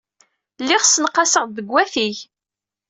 Lliɣ ssenqaseɣ-d deg watig.